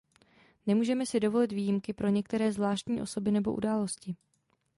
Nemůžeme si dovolit výjimky pro některé zvláštní osoby nebo události.